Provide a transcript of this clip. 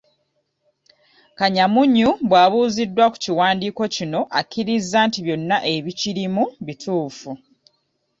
Kanyamunyu bw'abuuziddwa ku kiwandiiko kino, akkiriza nti byonna ebikirimu bituufu.